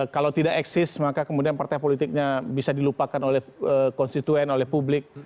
kalau tidak eksis maka kemudian partai politiknya bisa dilupakan oleh konstituen oleh publik